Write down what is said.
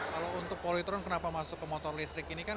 kalau untuk polytron kenapa masuk ke motor listrik ini kan